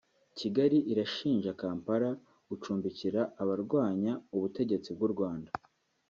Kigali irashinja Kampala gucumbikira abarwanya ubutegetsi bw’u Rwanda